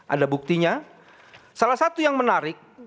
ada buktinya salah satu yang menarik